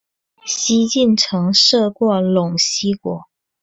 西晋曾设过陇西国。